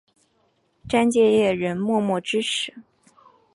詹建业仍默默支持。